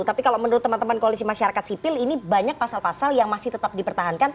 tapi kalau menurut teman teman koalisi masyarakat sipil ini banyak pasal pasal yang masih tetap dipertahankan